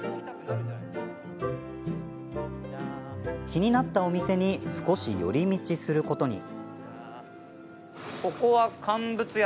気になったお店に少し寄り道することに。